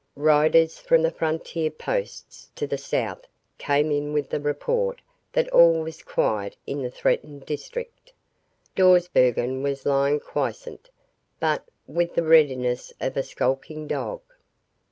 Riders from the frontier posts to the south came in with the report that all was quiet in the threatened district. Dawsbergen was lying quiescent, but with the readiness of a skulking dog.